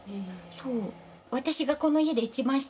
そう。